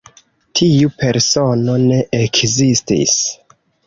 Tiu persono ne ekzistis.